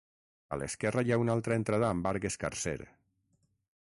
A l'esquerra hi ha una altra entrada amb arc escarser.